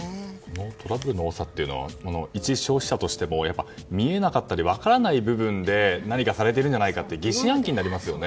トラブルの多さは一消費者としても見えなかったり分からない部分で何かされているんじゃないかと疑心暗鬼になりますよね。